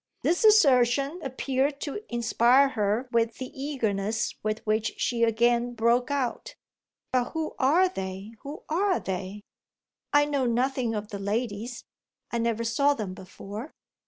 '" This assertion appeared to inspire her with the eagerness with which she again broke out: "But who are they who are they?" "I know nothing of the ladies. I never saw them before.